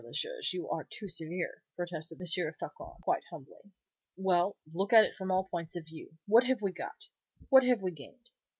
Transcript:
le Juge, you are too severe," protested M. Floçon, quite humbly. "Well! Look at it from all points of view. What have we got? What have we gained?